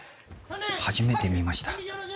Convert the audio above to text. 初めて見ました。